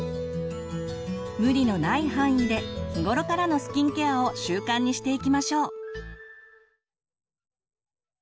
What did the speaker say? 無理のない範囲で日頃からのスキンケアを習慣にしていきましょう。